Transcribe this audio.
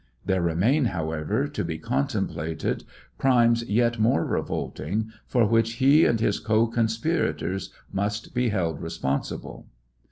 There remain, however, to be contemplated crimes yet more revoking, for which he and his co conspirators must be held responsiijle.